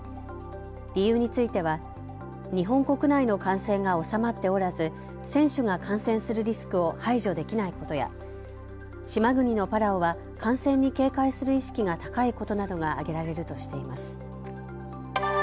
理由については日本国内の感染が収まっておらず選手が感染するリスクを排除できないことや島国のパラオは感染に警戒する意識が高いことなどが挙げられるとしています。